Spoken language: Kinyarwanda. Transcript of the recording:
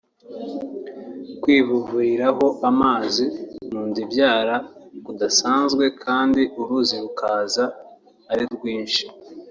kwivuburiraho amazi mu nda ibyara kudasanzwe kandi uruzi rukaza ari rwinshi